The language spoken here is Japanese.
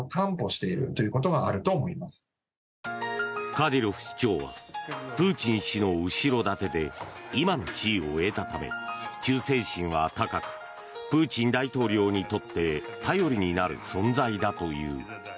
カディロフ首長はプーチン氏の後ろ盾で今の地位を得たため忠誠心は高くプーチン大統領にとって頼りになる存在だという。